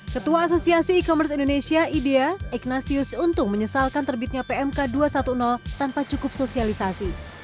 ketua asosiasi e commerce indonesia idea ignatius untung menyesalkan terbitnya pmk dua ratus sepuluh tanpa cukup sosialisasi